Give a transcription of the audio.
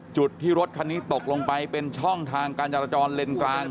จุดที่รถคันนี้ตกลงไปเป็นช่องทางการจราจรเลนกลาง